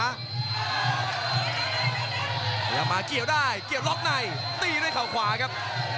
พยายามมาเกี่ยวได้เกี่ยวล็อกในตีด้วยเขาขวาครับ